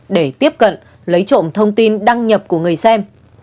để tiếp cận lấy trộm thông tin đăng nhập của người xem